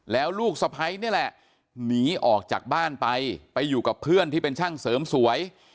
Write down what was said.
แล้วลูกสะพ้ายนี่แหละหนีออกจากบ้านไปไปอยู่กับเพื่อนที่เป็นช่างเสริมสวย